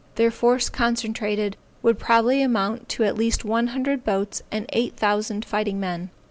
Their force concentrated, would probably amount to at least one hundred boats and eight thousand fighting men.